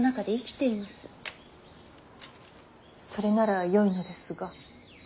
それならよいのですが。